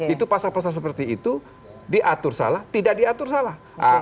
itu pasal pasal seperti itu diatur salah tidak diatur salah